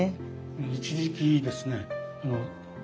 一時期ですね娘